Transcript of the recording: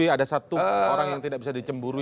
ada satu orang yang tidak bisa dicemburu